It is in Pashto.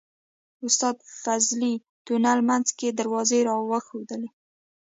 استاد فضلي تونل منځ کې دروازې راوښودلې.